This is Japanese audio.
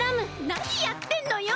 なにやってんのよ！